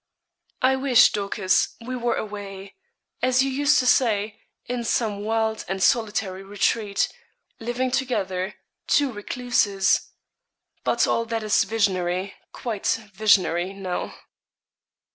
'I wish, Dorcas, we were away as you used to say in some wild and solitary retreat, living together two recluses but all that is visionary quite visionary now.'